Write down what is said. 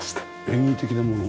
演技的なもの？